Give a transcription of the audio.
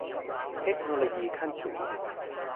เทคโนโลยีสูงขึ้น